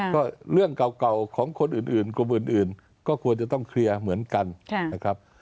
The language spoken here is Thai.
ก็เรื่องเก่าของคนอื่นกลุ่มอื่นก็ควรจะต้องเคลียร์เหมือนกันนะครับ